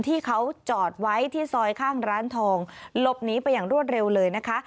ที่เขาจอดไว้ที่ซอยข้างร้านทองหลบหนีไปอย่างรวดเร็วเลยนะคะ